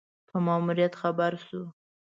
په ماموریت خبر شو.